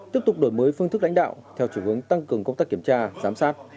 tiếp tục đổi mới phương thức lãnh đạo theo chủ hướng tăng cường công tác kiểm tra giám sát